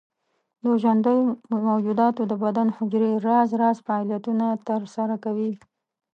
د ژوندیو موجوداتو د بدن حجرې راز راز فعالیتونه تر سره کوي.